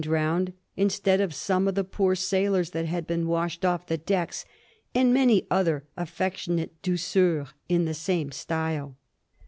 drowned instead of some of the poor sailors that had been washed off the decks — ^and many other affectionate douceurs in the same style.''